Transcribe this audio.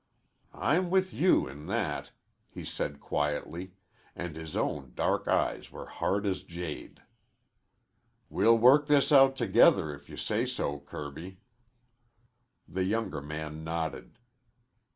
"I'm with you in that," he said quietly, and his own dark eyes were hard as jade. "We'll work this out together if you say so, Kirby." The younger man nodded.